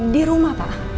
di rumah pak